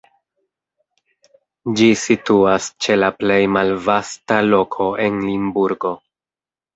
Ĝi situas ĉe la plej malvasta loko en Limburgo.